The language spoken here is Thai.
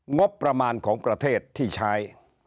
งบประมาณของประเทศที่ใช้